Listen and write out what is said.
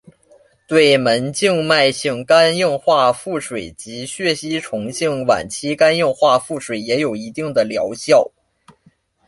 对门静脉性肝硬化腹水及血吸虫性晚期肝硬化腹水也有一定的疗效。